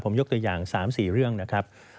ผมยกตัวอย่าง๓๔เรื่องนะครับ